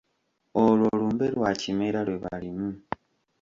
Olwo lumbe lwa Kimera lwe balimu!